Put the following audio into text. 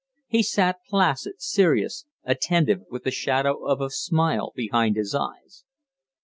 He sat placid, serious, attentive, with the shadow of a smile behind his eyes.